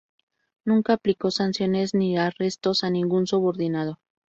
Nunca aplicó sanciones ni arrestos a ningún subordinado.